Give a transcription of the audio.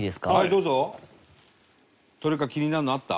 どれか気になるのあった？